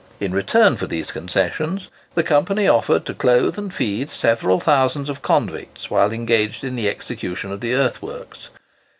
In return for these concessions the Company offered to clothe and feed several thousands of convicts while engaged in the execution of the earthworks.